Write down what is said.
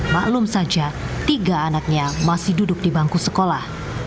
maklum saja tiga anaknya masih duduk di bangku sekolah